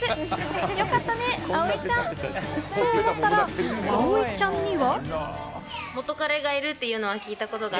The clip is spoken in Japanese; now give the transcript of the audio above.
よかったね、あおいちゃん！と思ったら、あおいちゃんには。